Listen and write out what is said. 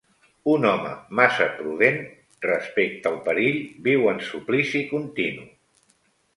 Un home massa prudent respecte el perill viu en suplici continu.